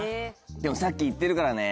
でもさっき行ってるからね。